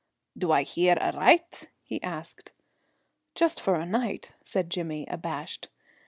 "Do I hear aricht?" he asked. "Just for a night," said Jimmy, abashed.